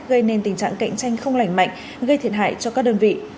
gây nên tình trạng cạnh tranh không lành mạnh gây thiệt hại cho các đơn vị